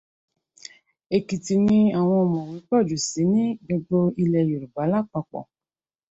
Ekiti ní àwọn ọ̀mọ̀wé pọ̀ jù sí ní gbogbo ilẹ̀ Yorùbá lápapọ̀